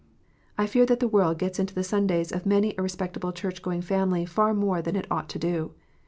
I fear that the world gets into the Sundays of many a respectable church going family far more than it ought to do.